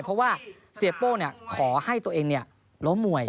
เพราะว่าเสียโป้ขอให้ตัวเองล้มมวย